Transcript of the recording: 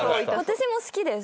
私も好きです。